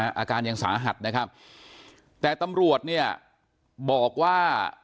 อาการยังสาหัสนะครับแต่ตำรวจเนี่ยบอกว่า